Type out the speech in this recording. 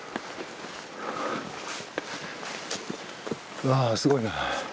うわぁすごいな。